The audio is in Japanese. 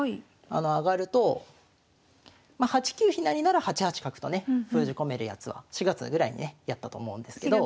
上がるとまあ８九飛成なら８八角とね封じ込めるやつは４月ぐらいにねやったと思うんですけど。